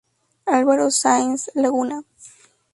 Álvaro Sáenz-Laguna